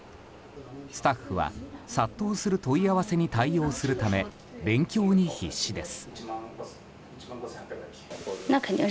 スタッフは、殺到する問い合わせに対応するため勉強に必死です。